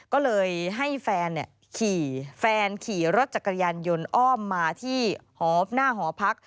ก็เลยให้แฟนขี่รถจากกระยานยนต์อ้อมมาที่หน้าหอพัก